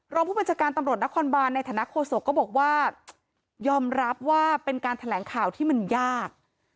รองผู้บัญชาการตำรวจนครบานในฐานะโฆษกก็บอกว่ายอมรับว่าเป็นการแถลงข่าวที่มันยาก